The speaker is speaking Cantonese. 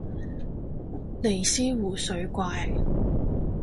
尼斯湖水怪